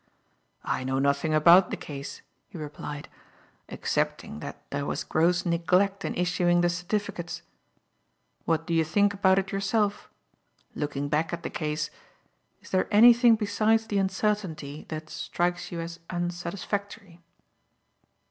"I know nothing about the case," he replied, "excepting that there was gross neglect in issuing the certificates. What do you think about it yourself? Looking back at the case, is there anything besides the uncertainty that strikes you as unsatisfactory?"